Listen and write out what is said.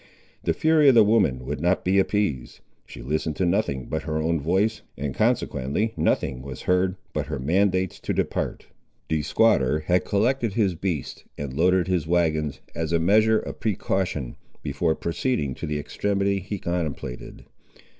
The fury of the woman would not be appeased. She listened to nothing but her own voice, and consequently nothing was heard but her mandates to depart. The squatter had collected his beasts and loaded his wagons, as a measure of precaution, before proceeding to the extremity he contemplated.